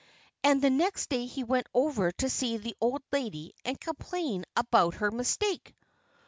And the next day he went over to see the old lady and complain about her mistake.